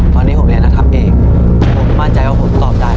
ตอนนี้ผมเรียนแล้วทำเองผมมั่นใจว่าผมตอบได้